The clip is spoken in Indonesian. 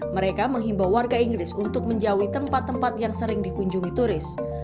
mereka menghimbau warga inggris untuk menjauhi tempat tempat yang sering dikunjungi turis